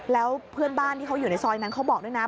แล้วเพื่อนบ้านที่เขาอยู่ในซอยนั้นเขาบอกด้วยนะ